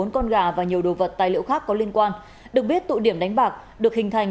bốn con gà và nhiều đồ vật tài liệu khác có liên quan được biết tụ điểm đánh bạc được hình thành